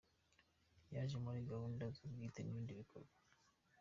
Yaje muri gahunda ze bwite n’ibindi bikorwa.